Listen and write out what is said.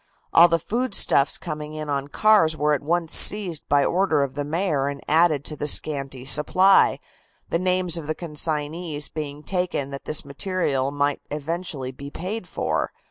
All the foodstuffs coming in on the cars were at once seized by order of the Mayor and added to the scanty supply, the names of the consignees being taken that this material might eventually be paid for.